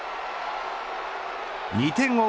２点を追う